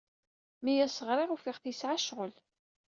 Mi as-ɣriɣ, ufiɣ-t yesɛa ccɣel.